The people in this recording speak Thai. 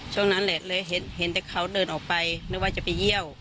ช่วงนั้นแหละเลยเห็นแต่เขาเดินออกไปนึกว่าจะไปเยี่ยว